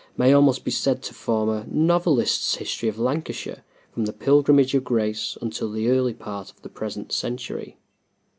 may almost be said to form a novelist's history of Lancashire from the pilgrimage of grace until the early part of the present century.